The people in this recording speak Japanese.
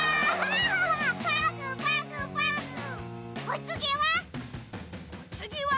おつぎは？